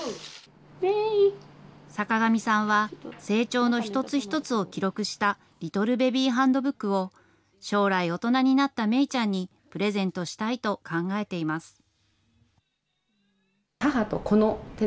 坂上さんは、成長の一つ一つを記録したリトルベビーハンドブックを、将来大人になった芽ちゃんにプレゼントしたいと考えています。